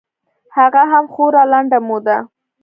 هغه هم خورا لنډه موده.